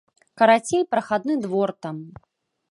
Карацей, прахадны двор там.